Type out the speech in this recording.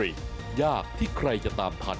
สนับสนุนโดยโอลี่คัมรี่ยากที่ใครจะตามพันธุ์